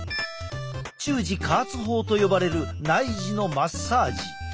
中耳加圧法と呼ばれる内耳のマッサージ。